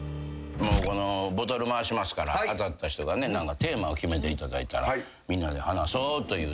ボトル回しますから当たった人がねテーマを決めていただいたらみんなで話そうというだけ。